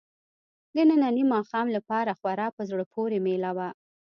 د ننني ماښام لپاره خورا په زړه پورې مېله وه.